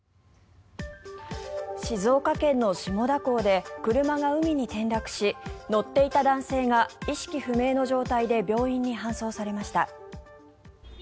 静岡県の下田港で車が海に転落し乗っていた男性が意識不明の状態で病院に搬送されました。